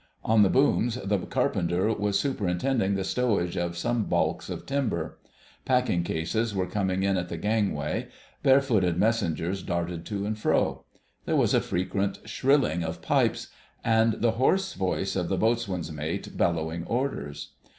On the booms the Carpenter was superintending the stowage of some baulks of timber. Packing cases were coming in at the gangway; barefooted messengers darted to and fro. There was a frequent shrilling of pipes, and the hoarse voice of the Boatswain's Mate bellowing orders.